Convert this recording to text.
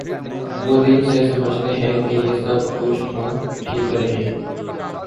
وہ دل سے سمجھتے ہیں کہ یہ سب کچھ ہم ٹھیک کر رہے ہیں۔